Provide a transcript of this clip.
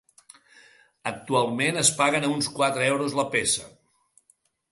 Actualment es paguen a uns quatre euros la peça.